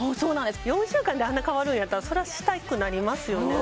４週間であんな変わるんやったらそりゃしたくなりますよね